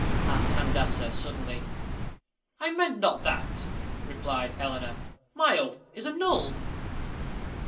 asked Handassah, suddenly. "I meant not that," replied Eleanor. "My oath is annulled."